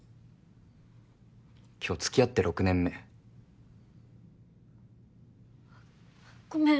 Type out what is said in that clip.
今日付き合って６年目。ごめん！